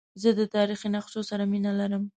زه د تاریخي نقشو سره مینه لرم.